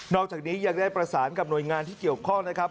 อกจากนี้ยังได้ประสานกับหน่วยงานที่เกี่ยวข้องนะครับ